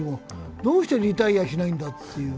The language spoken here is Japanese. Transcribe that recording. どうしてリタイアしないんだって。